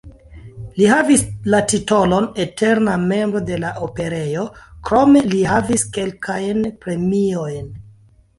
Li havis la titolon "eterna membro de la Operejo", krome li ricevis kelkajn premiojn.